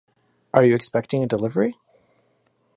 Are you expecting a delivery?